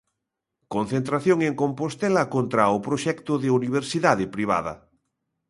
Concentración en Compostela contra o proxecto de universidade privada.